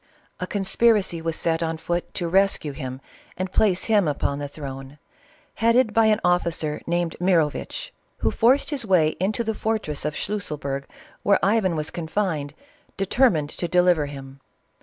A conspiracy was set on foot to rescue him and place him upon the throne, headed by an officer named Mirovitch, who forced his way into the fortress of Schlusselburg where Ivan was con fined, determined to deliver him.